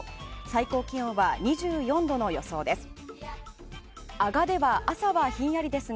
最高気温は２４度の予想です。